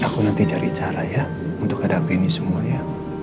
aku nanti cari cara ya untuk hadapi ini semuanya